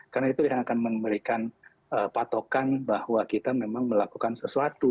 karena itu yang akan memberikan patokan bahwa kita memang melakukan sesuatu